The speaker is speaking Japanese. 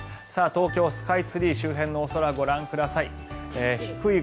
東京スカイツリー周辺のお空ご覧ください。